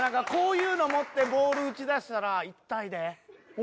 こういうの持ってボール打ち出したらイタいで。